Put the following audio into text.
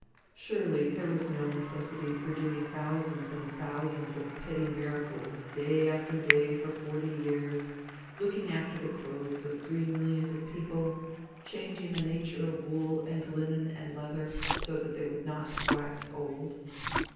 Surely there was no necessity for doing thousands and thousands of petty miracles, day after day for forty years, looking after the clothes of three millions of people, changing the nature of wool, and linen, and leather, so that they would not "wax old."